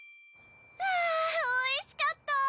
ああおいしかった。